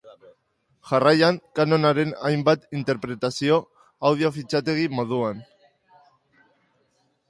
Jarraian Kanonaren hainbat interpretazio, audio fitxategi moduan.